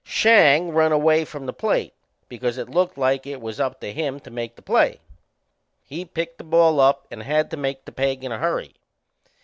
Schang run away from the plate, because it looked like it was up to him to make the play. He picked the ball up and had to make the peg in a hurry.